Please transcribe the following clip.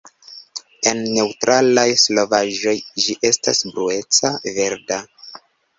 En neŭtralaj solvaĵoj ĝi estas blueca verda.